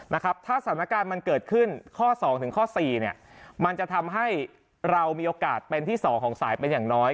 นะครับถ้าสถานการณ์มันเกิดขึ้นข้อสองถึงข้อสี่เนี่ยมันจะทำให้เรามีโอกาสเป็นที่สองของสายเป็นอย่างน้อย